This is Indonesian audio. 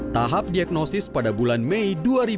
tahap diagnosis pada bulan mei dua ribu dua puluh